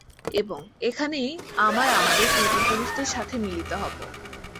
এবং এখানেই আমরা আমাদের পূর্বপুরুষদের সাথে মিলিত হব।